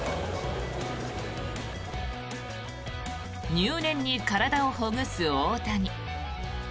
入念に体をほぐす大谷。